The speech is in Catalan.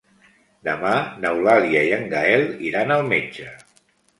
Demà n'Eulàlia i en Gaël iran al metge.